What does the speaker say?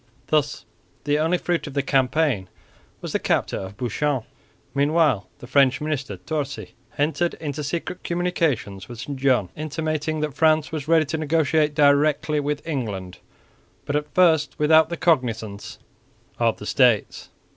Thus the only fruit of the campaign was the capture of Bouchain. Meanwhile the French minister Torcy entered into secret communications with St John, intimating that France was ready to negotiate directly with England, but at first without the cognisance of the States.